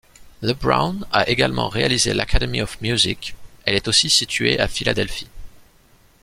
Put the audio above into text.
Le Brun a également réalisé l'Academy of Music, elle aussi située à Philadelphie.